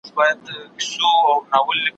زه به د نوي لغتونو يادونه کړې وي!.